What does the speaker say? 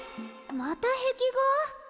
また壁画？